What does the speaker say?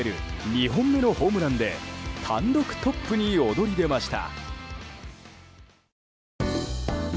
２本目のホームランで単独トップに躍り出ました。